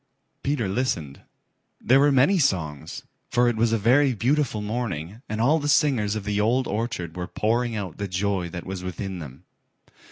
Peter listened. There were many songs, for it was a very beautiful morning and all the singers of the Old Orchard were pouring out the joy that was within them.